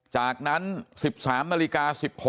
จากนั้น๑๓นาฬิกา๑๘นาที